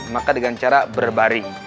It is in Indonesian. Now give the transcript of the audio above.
maka dengan cara berbaring